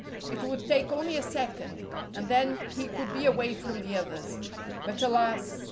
It would take only a second, and then he could be away from the others. But alas!